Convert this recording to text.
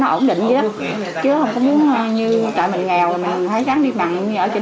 chứ không có muốn như trại mình nghèo mình thấy rắn đi mặn ở trên này trọ mỏng nó cũng hầu hầu tốt một chút